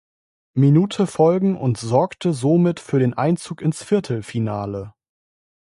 Minute folgen und sorgte somit für den Einzug ins Viertelfinale.